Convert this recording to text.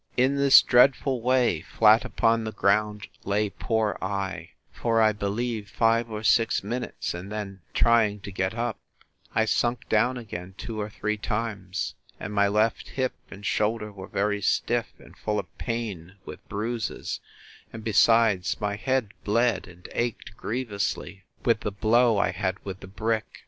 In this dreadful way, flat upon the ground, lay poor I, for I believe five or six minutes; and then trying to get up, I sunk down again two or three times; and my left hip and shoulder were very stiff, and full of pain, with bruises; and, besides, my head bled, and ached grievously with the blow I had with the brick.